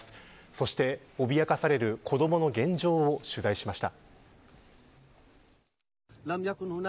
そして脅かされる子どもの現状を取材しました。